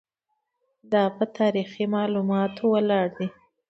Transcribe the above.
دا په تاریخي معلوماتو ولاړ دی.